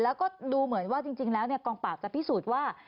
แล้วก็ดูเหมือนว่าจริงแล้วกองปราบจะพิสูจน์ว่า